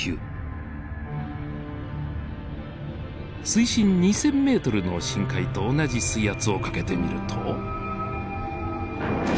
水深２，０００ｍの深海と同じ水圧をかけてみると。